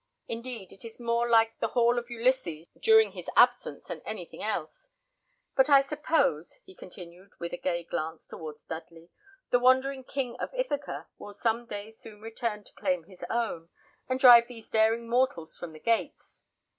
Indeed, it is more like the hall of Ulysses during his absence than anything else. But I suppose," he continued, with a gay glance towards Dudley, "the wandering king of Ithaca will some day soon return to claim his own, and drive these daring mortals from the gates."